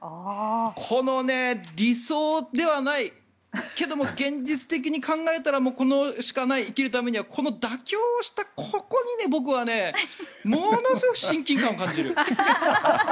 この、理想ではないけども現実的に考えたらこれしかない、生きるためには妥協した、ここに僕はものすごく親近感を感じる。